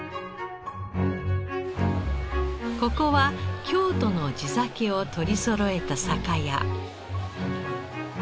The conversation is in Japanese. ここは京都の地酒を取りそろえた酒屋。